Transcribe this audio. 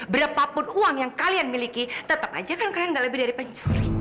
berapapun uang yang kalian miliki tetap aja kan kalian gak lebih dari pencuri